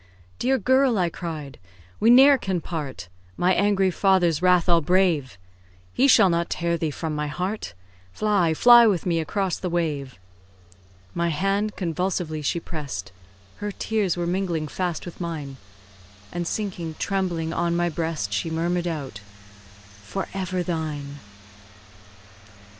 "Dear girl!" I cried, "we ne'er can part, My angry father's wrath I'll brave; He shall not tear thee from my heart. Fly, fly with me across the wave!" My hand convulsively she press'd, Her tears were mingling fast with mine; And, sinking trembling on my breast, She murmur'd out, "For ever thine!"